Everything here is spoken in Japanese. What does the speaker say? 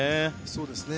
そうですね。